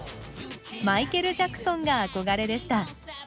マイケル・ジャクソンが憧れでした。